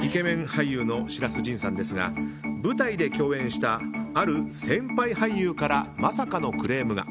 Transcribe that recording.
俳優の白洲迅さんですが舞台で共演したある先輩俳優からまさかのクレームが。